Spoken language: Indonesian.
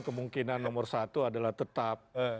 kemungkinan nomor satu adalah tetap